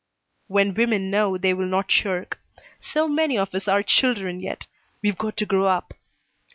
"When women know, they will not shirk. So many of us are children yet. We've got to grow up."